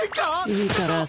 いいからさ。